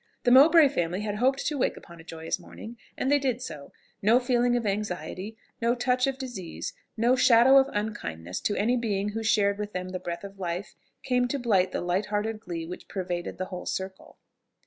The Mowbray family had hoped to wake upon a joyous morning, and they did so: no feeling of anxiety, no touch of disease, no shadow of unkindness to any being who shared with them the breath of life, came to blight the light hearted glee which pervaded the whole circle.